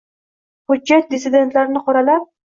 Hujjat dissidentlarni qoralab